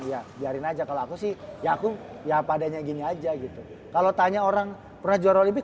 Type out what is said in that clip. ya biarin aja kalau aku sih ya aku ya padanya gini aja gitu kalau tanya orang pernah juara olimpik